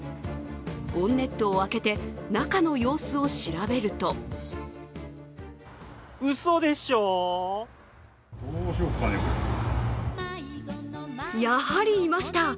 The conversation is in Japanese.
ボンネットを開けて、中の様子を調べるとやはりいました！